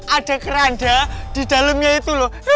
ada keranda di dalamnya itu loh